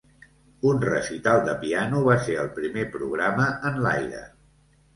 Un recital de piano va ser el primer programa en l'aire.